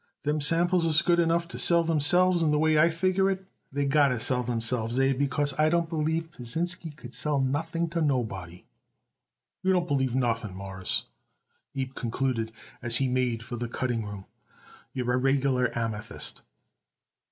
"Them samples is good enough to sell themselves; and the way I figure it out, they got to sell themselves, Abe, because I don't believe Pasinsky could sell nothing to nobody." "You don't believe nothing, Mawruss," Abe concluded as he made for the cutting room; "you're a regular amethyst."